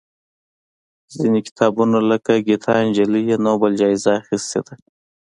ځینې کتابونه لکه ګیتا نجلي یې نوبل جایزه اخېستې ده.